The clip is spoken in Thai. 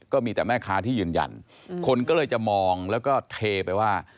ก็มีแต่แม่ค้าที่ยืนยันคนก็เลยจะมองแล้วก็เทไปว่า